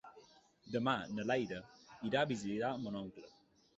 Demà na Laia irà a visitar mon oncle.